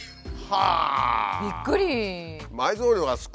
はあ！びっくり！